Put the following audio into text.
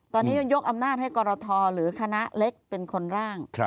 ตอนนี้ยกอำนาจให้กรทหรือคณะเล็กเป็นคนร่าง